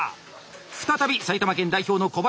再び埼玉県代表の小林。